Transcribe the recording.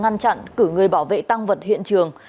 ngăn chặn cử người bảo vệ tăng vật hiện trường